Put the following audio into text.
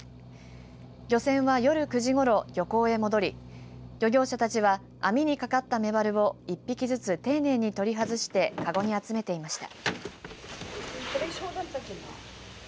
漁船は夜９時ごろ、漁港へ戻り漁業者たちは網にかかったメバルを一匹ずつ丁寧に取り外してかごに集めていました。